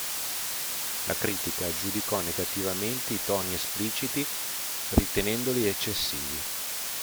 La critica giudicò negativamente i toni espliciti, ritenendoli eccessivi.